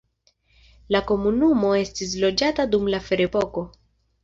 La komunumo estis loĝata dum la ferepoko.